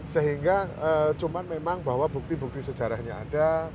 sehingga cuma memang bahwa bukti bukti sejarahnya ada